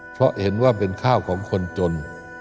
เพราะเห็นว่าเป็นข้าวของคนจน